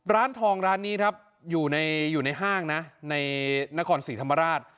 ร้านทองร้านนี้ครับอยู่ในห้างนะในนครศรีธรรมราช